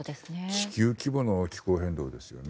地球規模の気候変動ですよね。